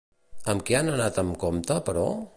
Amb què han d'anar amb compte, però?